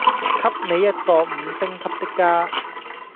給你一個五星級的家